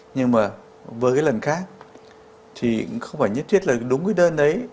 nhưng mà với cái lần khác thì cũng không phải nhất thiết là đúng cái đơn đấy